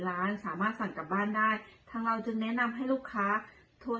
ร้านสามารถสั่งกลับบ้านได้ทางเราจึงแนะนำให้ลูกค้าโทร